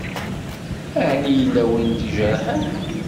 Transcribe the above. Ɛni yella win i d-ijerḥen?